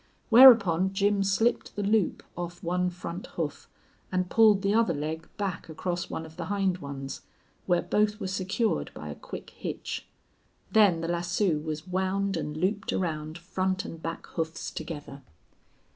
Whereupon Jim slipped the loop off one front hoof and pulled the other leg back across one of the hind ones, where both were secured by a quick hitch. Then the lasso was wound and looped around front and back hoofs together.